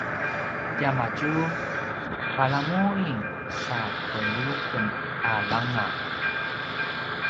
tiamadju palamuin sa peljuqen a langa